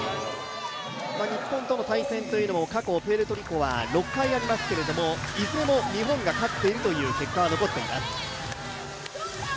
日本との対戦も過去、プエルトリコは６回ありますけれども、いずれも日本が勝っているという結果が残っています。